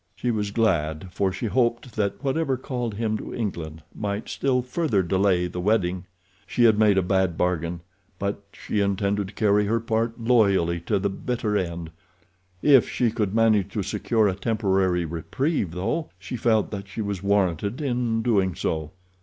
She was glad, for she hoped that whatever called him to England might still further delay the wedding. She had made a bad bargain, but she intended carrying her part loyally to the bitter end—if she could manage to secure a temporary reprieve, though, she felt that she was warranted in doing so.